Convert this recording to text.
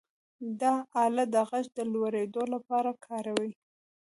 دا آله د غږ د لوړېدو لپاره کاروي.